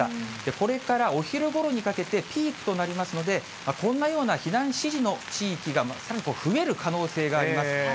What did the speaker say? これからお昼ごろにかけて、ピークとなりますので、こんなような避難指示の地域が、さらに増える可能性があります。